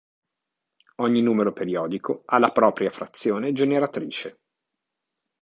Ogni numero periodico ha la propria frazione generatrice.